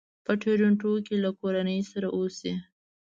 په ټورنټو کې له کورنۍ سره اوسي.